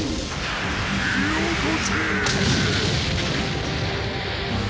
よこせ！